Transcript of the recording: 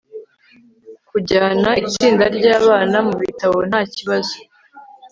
kujyana itsinda ryabana mubitabo ntakibazo